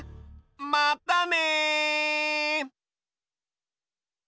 まったね！